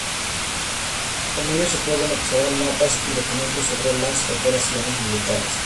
En ellos se pueden observar mapas y documentos sobre las operaciones militares.